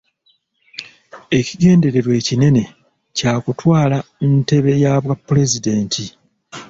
Ekigendererwa ekinene kya kutwala ntebe ya bwapulezidenti.